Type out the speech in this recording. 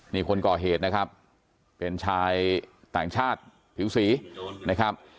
นี่คนก่อเหตุนะครับเป็นชายต่างชาติผิวสีนะครับ